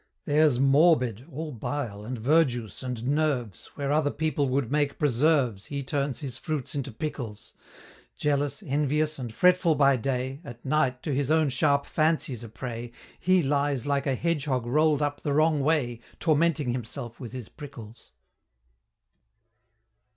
There's Morbid, all bile, and verjuice, and nerves, Where other people would make preserves, He turns his fruits into pickles: Jealous, envious, and fretful by day, At night, to his own sharp fancies a prey, He lies like a hedgehog roll'd up the wrong way, Tormenting himself with his prickles.